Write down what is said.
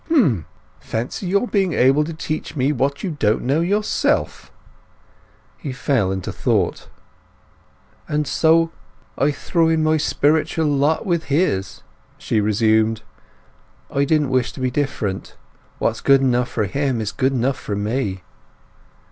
"H'm. Fancy your being able to teach me what you don't know yourself!" He fell into thought. "And so I threw in my spiritual lot with his," she resumed. "I didn't wish it to be different. What's good enough for him is good enough for me."